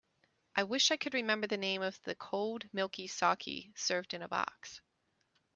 I wish I could remember the name of the cold milky saké served in a box.